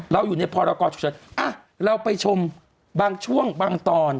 เราไปชมบางช่วงบางตอน